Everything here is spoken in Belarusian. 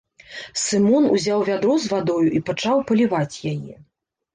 Сымон узяў вядро з вадою і пачаў паліваць яе.